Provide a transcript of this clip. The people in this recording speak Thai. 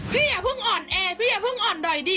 พี่อ่ะพึ่งอ่อนเอพี่อ่ะพึ่งอ่อนด่อยดี